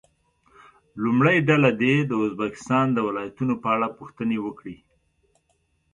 لومړۍ ډله دې د ازبکستان د ولایتونو په اړه پوښتنې وکړي.